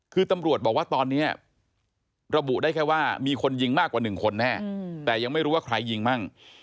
คือตำรวจบอกว่าตอนนี้ระบุได้แค่ว่ามีคนยิงมากกว่า๑คนแน่แต่ยังไม่รู้ว่าใครยิงมั่ง